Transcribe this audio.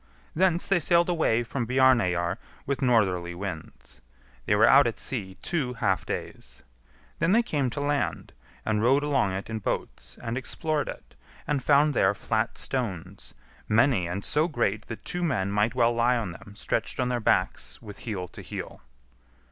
Thence they sailed away from Bjarneyjar with northerly winds. They were out at sea two half days. Then they came to land, and rowed along it in boats, and explored it, and found there flat stones, many and so great that two men might well lie on them stretched on their backs with heel to heel.